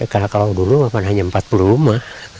karena kalau dulu hanya empat puluh rumah